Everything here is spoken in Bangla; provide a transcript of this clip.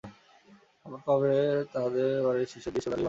আবার কবে তাহদের বাড়ির ধারের শিরীষ সৌদালি বনে পাখির ডাক?